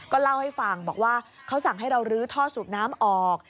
เล่าให้ฟังบอกว่าเขาสั่งให้เราลื้อท่อสูบน้ำออก